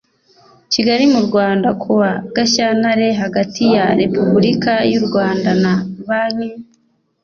Kigali mu Rwanda kuwa Gashyantare hagati ya Repubulika y u Rwanda na Banki